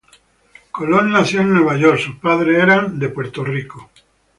Colon nació en Nueva York; sus padres eran nativos de Puerto Rico.